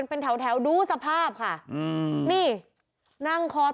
เป็นแถวดูสภาพนั่งคอตกเลย